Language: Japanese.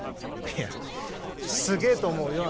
いやすげえと思うよ